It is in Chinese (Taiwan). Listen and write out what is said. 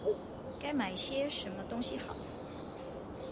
該買一些什麼東西好